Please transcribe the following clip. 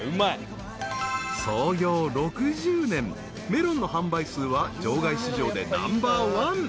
［メロンの販売数は場外市場でナンバーワン］